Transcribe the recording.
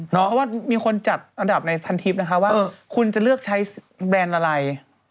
เพราะว่ามีคนจัดอันดับในพันทิพย์นะคะว่าคุณจะเลือกใช้แบรนด์อะไร